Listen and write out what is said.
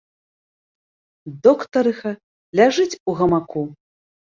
Доктарыха ляжыць у гамаку.